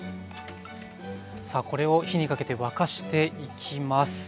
さあこれを火にかけて沸かしていきます。